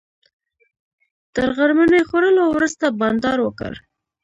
تر غرمنۍ خوړلو وروسته بانډار وکړ.